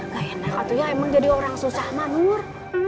gak enak katanya emang jadi orang susah mah nur